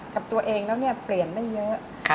กับตัวเองแล้วเนี่ยเปลี่ยนไม่เยอะ